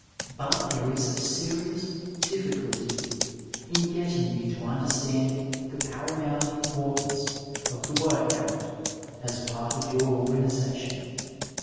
But there is a serious difficulty in getting you to understand the paramount importance of the work habit as part of your organization.